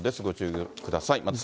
ご注意ください。